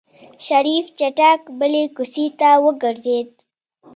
شريف چټک بلې کوڅې ته وګرځېد.